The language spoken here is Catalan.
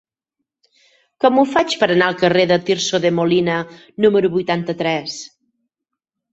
Com ho faig per anar al carrer de Tirso de Molina número vuitanta-tres?